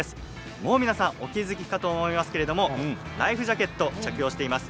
もう皆さん、お気付きかと思いますが、ライフジャケットを着用しています。